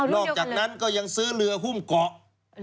อกจากนั้นก็ยังซื้อเรือหุ้มเกาะ